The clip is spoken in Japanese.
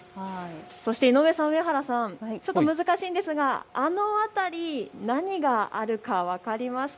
そして井上さん、上原さん、ちょっと難しいですがあの辺り何があるか分かりますか。